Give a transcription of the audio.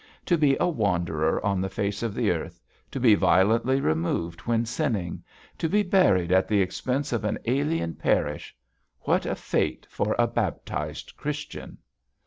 To be a wanderer on the face of the earth; to be violently removed when sinning; to be buried at the expense of an alien parish; what a fate for a baptised Christian.'